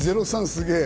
０３、すげぇ。